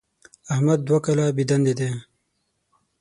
احمد دوه کاله بېدندې دی.